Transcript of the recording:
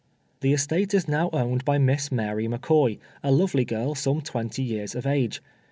Tliis estate is now OAvned by Miss Mary McCoy, a lovely girl, some twenty years of age.